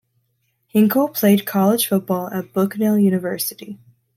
Hinkle played college football at Bucknell University.